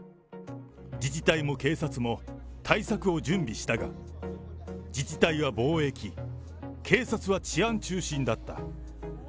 自治体も警察も対策を準備したが、自治体は防疫、警察は治安中心だった。